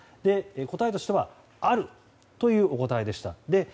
答えとしてはあるというお答えでした。